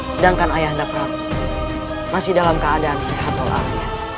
sedangkan ayah daprat masih dalam keadaan sehat wal alamnya